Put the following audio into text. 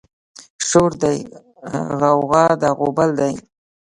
شور دی غوغه ده غوبل دی